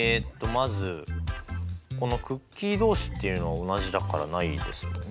まずこのクッキー同士っていうのは同じだからないですよね。